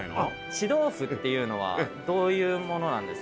血豆腐っていうのはどういうものなんですか？